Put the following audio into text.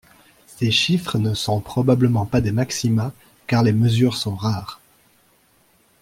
Ces chiffres ne sont probablement pas des maxima, car les mesures sont rares.